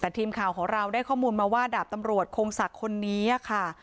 แต่ทีมข่าวของเราได้ข้อมูลมาว่าดาบตำรวจคงศักดิ์คนนี้ค่ะ